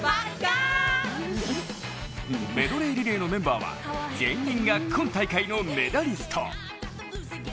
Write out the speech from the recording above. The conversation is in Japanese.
メドレーリレーのメンバーは全員が今大会のメダリスト。